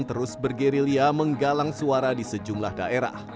terus bergerilia menggalang suara di sejumlah daerah